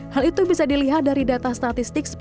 hal itu bisa dilihat dari data statistik